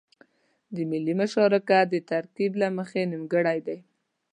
د ملي مشارکت د ترکيب له مخې نيمګړی دی.